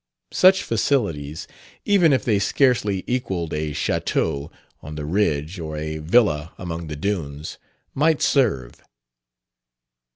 Such facilities, even if they scarcely equaled a chateau on the Ridge or a villa among the Dunes, might serve.